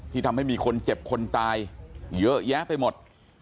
ทำให้มีคนเจ็บคนตายเยอะแยะไปหมด